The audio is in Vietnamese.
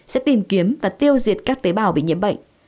sẽ tìm kiếm và tiêu diệt các tế bào bị nhiễm bệnh